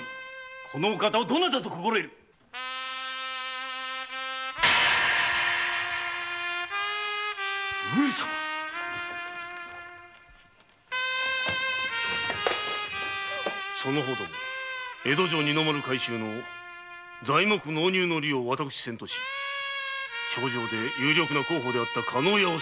このお方をどなたと心得る上様その方ども江戸城二の丸改修の材木納入の利を私せんとし評定で有力な候補の加納屋を殺害。